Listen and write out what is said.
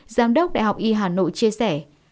giám đốc đại học y hà nội chia sẻ